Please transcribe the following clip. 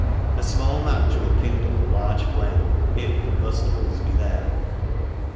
A small match will kindle a large flame if combustibles be there.